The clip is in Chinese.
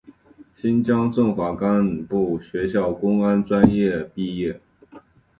新疆政法干部学校公安专业毕业。